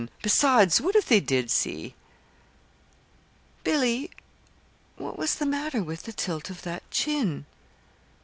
Besides, what if they did see? Billy, what was the matter with the tilt of that chin?"